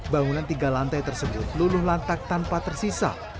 bangunan tiga lantai tersebut luluh lantak tanpa tersisa